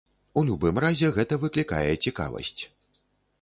У любым разе гэта выклікае цікавасць.